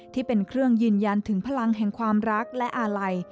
ที่เป็นเครื่องยืนยันถึงพลังแห่งความรักและอาลัย